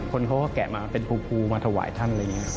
คนเขาก็แกะมาเป็นภูมาถวายท่านเลย